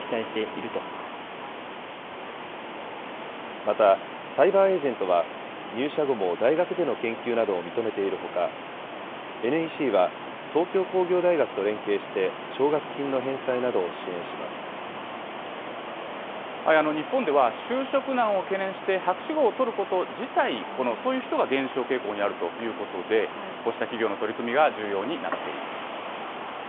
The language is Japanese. また、サイバーエージェントは、入社後も大学での研究などを認めているほか、ＮＥＣは、東京工業大学と連携して、日本では就職難を懸念して、博士号を取ること自体、そういう人が減少傾向にあるということで、こうした企業の取り組みが重要になっています。